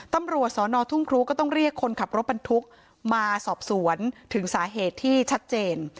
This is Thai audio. ตำรวจสอนอทุ่งครูก็ต้องเรียกคนขับรถบรรทุกมาสอบสวนถึงสาเหตุที่ชัดเจน